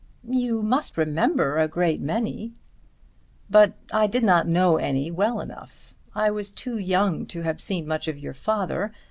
"You must remember a great many." "But I did not know any well enough. I was too young to have seen much of your father.